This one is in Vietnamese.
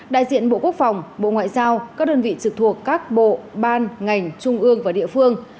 đại diện bộ quốc phòng bộ ngoại giao các đơn vị trực thuộc các bộ ban ngành trung ương và địa phương